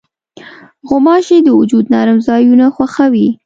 غوماشې د وجود نرم ځایونه خوښوي.